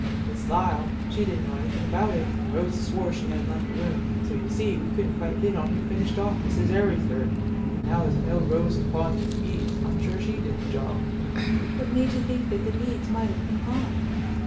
Miss Lyle, she didn't know anything about it, and Rosa swore she hadn't left her room, so, you see, we couldn't quite hit on who finished off Mrs. Arryford. But now as I know Rosa pawned these beads, I'm sure she did the job." "What made you think that the beads might have been pawned?"